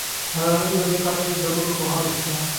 د نړۍ د دې برخې د نورو پوهانو کیسه.